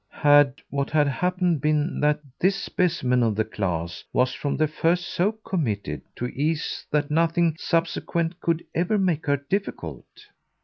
Had what had happened been that this specimen of the class was from the first so committed to ease that nothing subsequent COULD ever make her difficult?